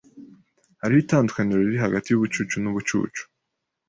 Hariho itandukaniro riri hagati yubucucu nubucucu.